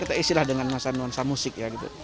kita istilah dengan nuansa nuansa musik ya gitu